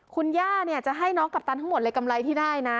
คุณย่าเนี่ยจะให้น้องกัปตันทั้งหมดเลยกำไรที่ได้นะ